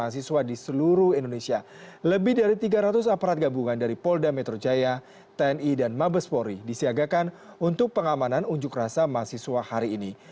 sejak tahun dua ribu tujuh belas lebih dari tiga ratus aparat gabungan dari polda metro jaya tni dan mabespori disiagakan untuk pengamanan unjuk rasa mahasiswa hari ini